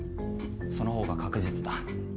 そのほうが確実だ。